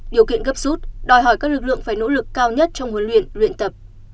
điều kiện gấp suốt đòi hỏi các lực lượng phải nỗ lực cao nhất trong huấn luyện luyện tập